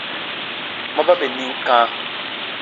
Ma ba bè nim kã.